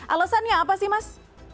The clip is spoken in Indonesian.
alasannya apa sih mas